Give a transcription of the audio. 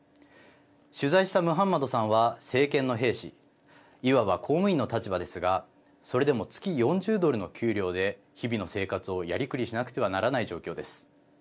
取材したムハンマドさんは政権の兵士いわば公務員の立場ですがそれでも月４０ドルの給料で日々の生活をやりくりしなくてはならない状況です。